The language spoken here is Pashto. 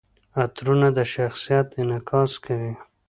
عطرونه د شخصیت انعکاس کوي.